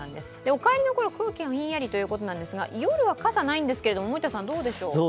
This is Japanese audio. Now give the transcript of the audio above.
お帰りのころ、空気がひんやりということですが、夜は傘がないんですが、どうでしょう？